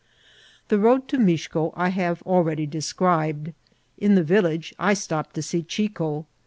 The road to Mixco I have already described. In the village I stopped to see Chico.